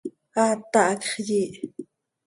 Aata, hacx yiih.